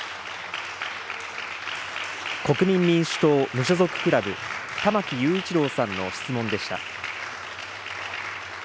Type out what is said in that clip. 国民民主党・無所属クラブ、玉木雄一郎さんの質問でした。